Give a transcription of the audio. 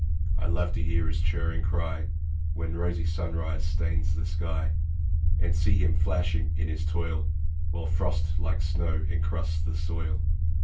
I love to hear his chirring cry, When rosy sunrise stains the sky, And see him flashing in his toil, While frost like snow encrusts the soil.